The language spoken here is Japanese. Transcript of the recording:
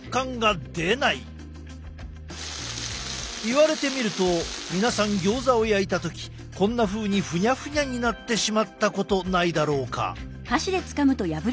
言われてみると皆さんギョーザを焼いた時こんなふうにフニャフニャになってしまったことないだろうか。